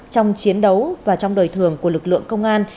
trong chiến đấu và trong đời thường của lực lượng công an